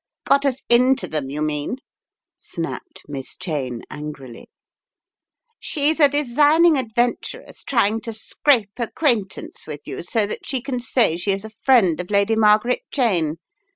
"Got us into them, you mean," snapped Miss Cheyne angrily. "She's a designing adventuress trying to scrape acquaintance with you, so that she can say she is a friend of Lady Margaret Cheyne!